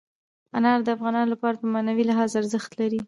انار د افغانانو لپاره په معنوي لحاظ ارزښت لري.